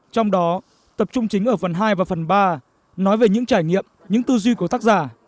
trong đó tập trung chính ở phần hai và phần ba nói về những trải nghiệm những tư duy của tác giả